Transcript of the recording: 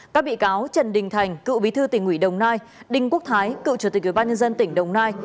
các bị cáo trần đình thành cựu bí thư tỉnh ủy đồng nai đinh quốc thái cựu chủ tịch ủy ban nhân dân tỉnh đồng nai